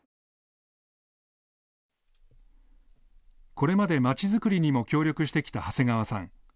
これまで町作りにも協力してきた長谷川さん。